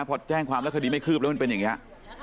พอแจ้งความแล้วคดีไม่คืบแล้วมันเป็นอย่างนี้